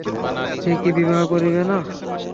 সে কি বিবাহ করিবে না।